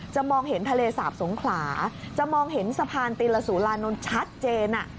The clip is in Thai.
มองเห็นทะเลสาบสงขลาจะมองเห็นสะพานติลสุรานนท์ชัดเจน